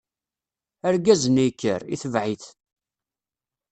Argaz-nni yekker, itebɛ-it.